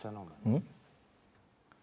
うん？